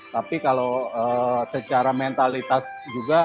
tapi kalau secara mentalitas juga